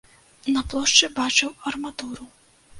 На плошчы бачыў арматуру.